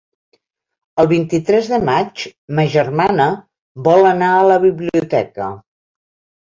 El vint-i-tres de maig ma germana vol anar a la biblioteca.